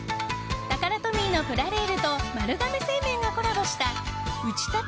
タカラトミーのプラレールと丸亀製麺がコラボした打ち立て！